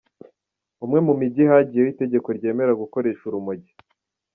Umwe mumigi Hagiyeho itegeko ryemera gukoresha urumogi